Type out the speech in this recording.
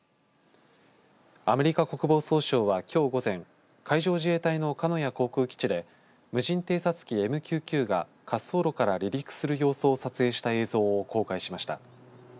アメリカ国防総省は、きょう午前海上自衛隊の鹿屋航空基地で無人偵察機ＭＱ９が滑走路から離陸する様子を撮影した映像を公開しました。